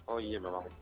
oh iya memang